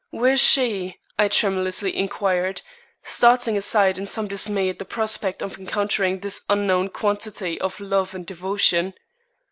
"Where is she?" I tremulously inquired, starting aside in some dismay at the prospect of encountering this unknown quantity of love and devotion.